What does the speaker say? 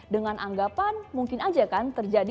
dengan anggapan mungkin aja kan terjadi